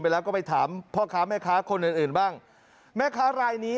เพราะว่าเราไม่มีทางเลือกหรอกครับ